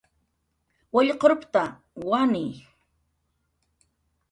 Wallqurpta, wani